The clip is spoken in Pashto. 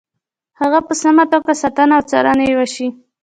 که په سمه توګه ساتنه او څارنه یې وشي.